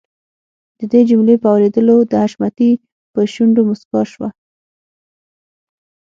د دې جملې په اورېدلو د حشمتي په شونډو مسکا شوه.